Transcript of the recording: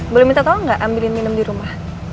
boleh minta tolong gak ambilin minum dirumah